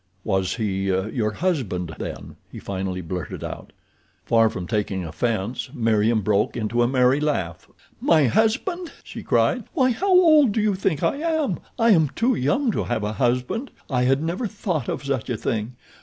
"Was he your husband, then?" he finally blurted. Far from taking offense, Meriem broke into a merry laugh. "My husband!" she cried. "Why how old do you think I am? I am too young to have a husband. I had never thought of such a thing.